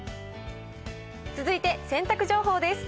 続いて洗濯情報です。